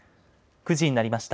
９時になりました。